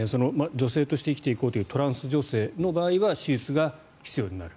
女性として生きていこうというトランス女性の場合は手術が必要になる。